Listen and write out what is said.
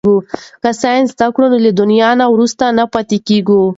که ساینس زده کړو نو له دنیا نه وروسته پاتې کیږو.